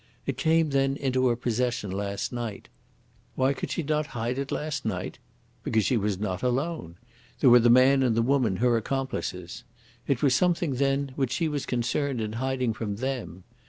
It came, then, into her possession last night. Why could she not hide it last night? Because she was not alone. There were the man and the woman, her accomplices. It was something, then, which she was concerned in hiding from them.